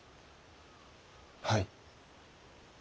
はい。